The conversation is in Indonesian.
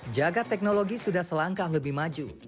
jaga teknologi sudah selangkah lebih maju